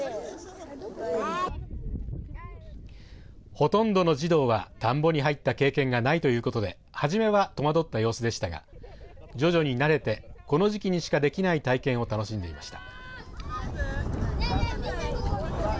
ほとんどの児童は田んぼに入った経験がないということで初めは戸惑った様子でしたが徐々に慣れてこの時期にしかできない体験を楽しんでいました。